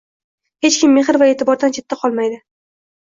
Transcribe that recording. Hech kim mehr va e’tibordan chetda qolmaydi!